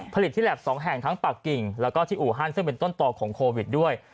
ผลิตที่แล็บ๒แห่งทั้งปากกิ่งแล้วก็ที่อู่ฮั่นซึ่งเป็นต้นต่อของโควิดด้วย